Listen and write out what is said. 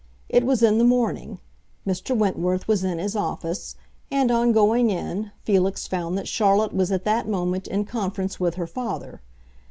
It was in the morning; Mr. Wentworth was in his office; and, on going in, Felix found that Charlotte was at that moment in conference with her father.